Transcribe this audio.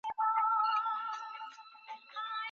ښځه د هغې د ديندارۍ په خاطر په نکاح کيږي.